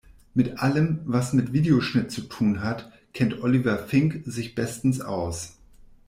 Mit allem, was mit Videoschnitt zu tun hat, kennt Oliver Fink sich bestens aus.